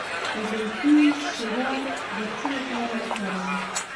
د ګلپي شیره د څه لپاره وکاروم؟